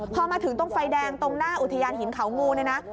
พอมาถึงตรงไฟแดงตรงหน้าอุทยานหินเขางูเนี่ยนะ